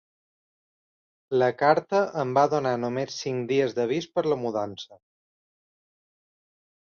La carta em va donar només cinc dies d'avís per la mudança.